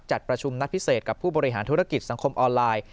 ประชุมนัดพิเศษกับผู้บริหารธุรกิจสังคมออนไลน์